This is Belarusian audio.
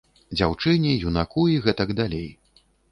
Дзяўчыне, юнаку і гэтак далей.